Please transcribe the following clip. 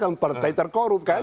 karena partai terkorup kan